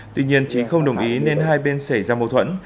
tuy nhiên chính không đồng ý nên hai bên xảy ra mâu thuẫn